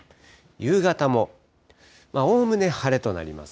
夕方もおおむね晴れとなります。